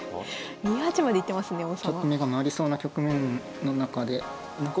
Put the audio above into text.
２八まで行ってますね王様。